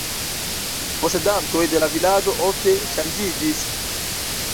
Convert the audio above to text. Posedantoj de la vilaĝo ofte ŝanĝiĝis.